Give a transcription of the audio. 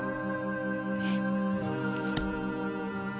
えっ？